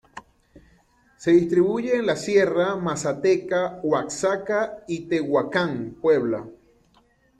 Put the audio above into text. Se distribuye en la Sierra Mazateca, Oaxaca, y Tehuacán, Puebla.